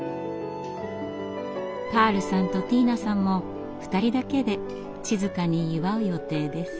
カールさんとティーナさんも二人だけで静かに祝う予定です。